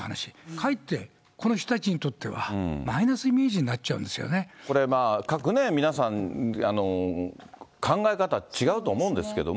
かえってこの人たちにとってはマイナスイメージになっちゃうんでこれね、各皆さん、考え方違うと思うんですけども。